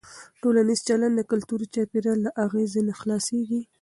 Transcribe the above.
ټولنیز چلند د کلتوري چاپېریال له اغېزه نه خلاصېږي.